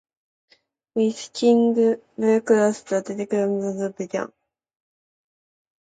With King Wenceslaus, the decline of the Luxembourg dynasty began.